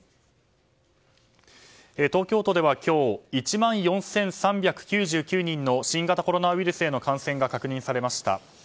東京都では今日１万４３９９人の新型コロナウイルスへの感染が確認されました。